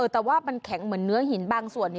แต่ว่ามันแข็งเหมือนเนื้อหินบางส่วน